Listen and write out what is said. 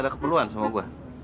ada keperluan sama gue